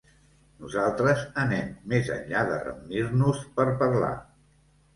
Nosaltres anem més enllà de reunir-nos per parlar.